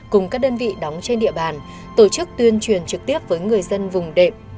cùng các đơn vị đóng trên địa bàn tổ chức tuyên truyền trực tiếp với người dân vùng đệm